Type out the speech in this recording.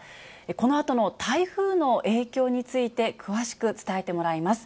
このあとの台風の影響について、詳しく伝えてもらいます。